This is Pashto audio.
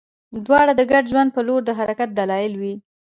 دواړه د ګډ ژوند په لور د حرکت دلایل وي.